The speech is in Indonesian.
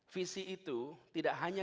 visi itu tidak hanya